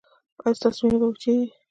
ایا ستاسو وینه به وچیږي؟